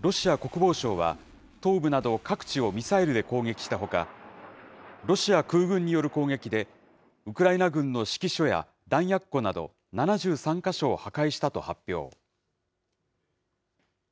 ロシア国防省は東部など各地をミサイルで攻撃したほか、ロシア空軍による攻撃で、ウクライナ軍の指揮所や弾薬庫など７３か所を破壊したと発表。